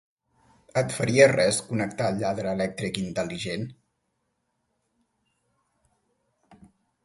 Et faria res connectar el lladre elèctric intel·ligent?